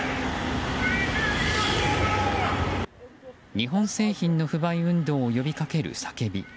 日本製品の不買運動を呼びかける叫び。